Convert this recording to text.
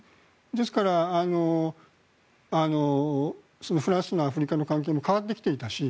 ですから、フランス内のアフリカの関係も変わってきていたし